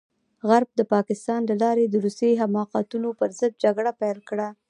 غرب د پاکستان له لارې د روسي حماقتونو پرضد جګړه پيل کړه.